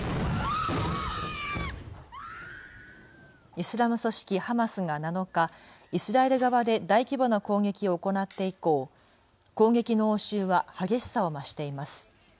イスラム組織ハマスが７日、イスラエル側で大規模な攻撃を行って以降、攻撃の応酬は激しさを増しています。